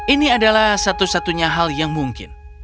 ini adalah satu satunya hal yang mungkin